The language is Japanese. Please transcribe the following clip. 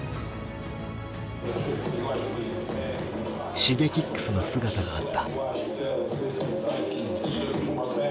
Ｓｈｉｇｅｋｉｘの姿があった。